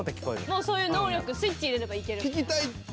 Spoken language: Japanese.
もうそういう能力スイッチ入れればいけるみたいな。